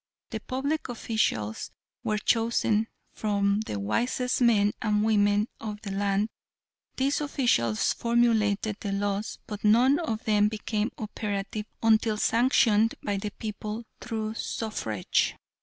The public officials were chosen from the wisest men and women of the land. These officials formulated the laws, but none of them became operative until sanctioned by the people through suffrage.